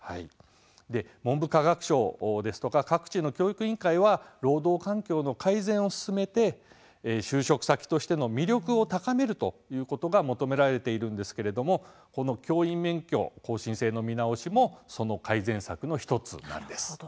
文部科学省や各地の教育委員会は労働環境の改善を進めて就職先としての魅力を高めることが求められていますが教員免許更新制の見直しもその改善策の１つなのです。